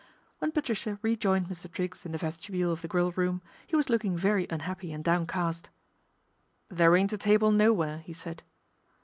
When Patricia rejoined Mr. Triggs in the vesti bule of the Grill room he was looking very un happy and downcast. " There ain't a table nowhere," he said.